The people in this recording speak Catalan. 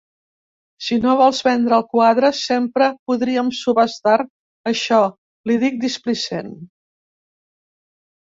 Si no vols vendre el quadre, sempre podríem subhastar això –li dic, displicent–.